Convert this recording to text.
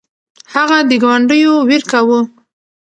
هغه د ګاونډیو ویر کاوه.